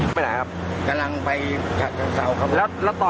เมื่อเวลาเมื่อเวลา